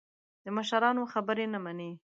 د مشرانو خبرې نه مني.